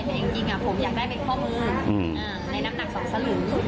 แต่จริงจริงอ่ะผมอยากได้เป็นข้อมืออืมอ่าในน้ำหนักสองสะหรือ